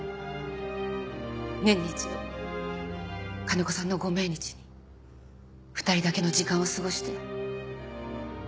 年に一度金子さんのご命日に２人だけの時間を過ごして。